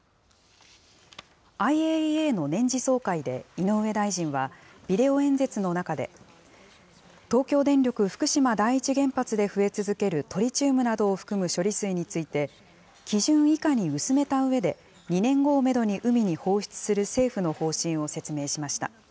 ＩＡＥＡの年次総会で井上大臣は、ビデオ演説の中で、東京電力福島第一原発で増え続けるトリチウムなどを含む処理水について、基準以下に薄めたうえで、２年後をメドに海に放出する政府の方針を説明しました。